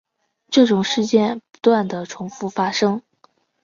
这种事件不断地重覆发生。